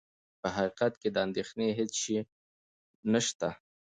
په حقیقت کې د اندېښنې هېڅ شی نه شته.